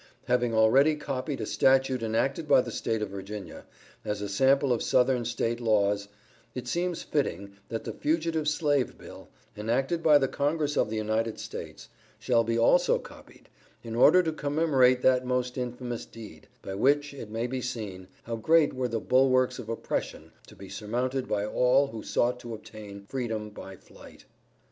Having already copied a statute enacted by the State of Virginia, as a sample of Southern State laws, it seems fitting that the Fugitive Slave Bill, enacted by the Congress of the United States, shall be also copied, in order to commemorate that most infamous deed, by which, it may be seen, how great were the bulwarks of oppression to be surmounted by all who sought to obtain freedom by flight.